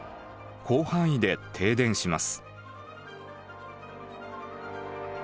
広範囲で停電します。